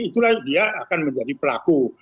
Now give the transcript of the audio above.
itulah dia akan menjadi pelaku